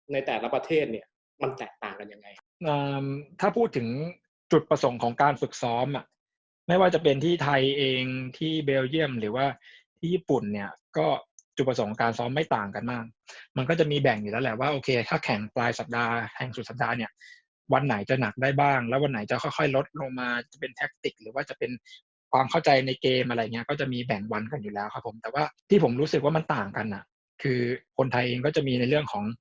ในแต่ละประเทศเนี่ยมันแตกต่างกันยังไงถ้าพูดถึงจุดประสงค์ของการฝึกซ้อมไม่ว่าจะเป็นที่ไทยเองที่เบลเยี่ยมหรือว่าที่ญี่ปุ่นเนี่ยก็จุดประสงค์การซ้อมไม่ต่างกันมากมันก็จะมีแบ่งอยู่แล้วแหละว่าโอเคถ้าแข่งปลายสัปดาห์แห่งสุดสัปดาห์เนี่ยวันไหนจะหนักได้บ้างแล้ววันไหนจะค่